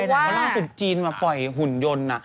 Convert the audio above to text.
เพราะล่าสุดจีนมาปล่อยหุ่นยนต์